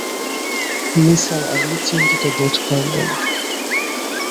নিসার আলি চিন্তিত বোধ করলেন।